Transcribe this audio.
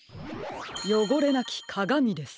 「よごれなきかがみ」です。